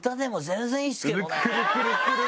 くるくるくる！